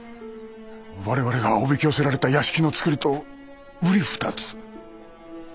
我々がおびき寄せられた屋敷の造りとうり二つ。